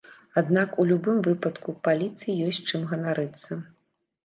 Аднак, у любым выпадку, паліцыі ёсць чым ганарыцца.